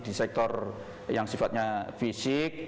di sektor yang sifatnya fisik